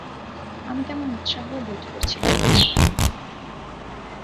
আমি তেমন উৎসাহও বোধ করছিলাম না।